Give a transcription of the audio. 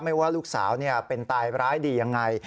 ว่าลูกสาวเป็นตายร้ายดียังไง